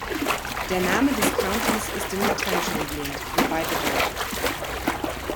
Der Name des Countys ist dem Lateinischen entlehnt, wobei bedeutet.